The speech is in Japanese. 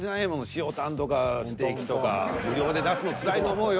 塩タンとかステーキとか無料で出すのつらいと思うよ。